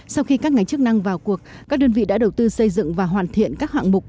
sau khi các ngành chức năng vào cuộc các đơn vị đã đầu tư xây dựng và hoàn thiện các hạng mục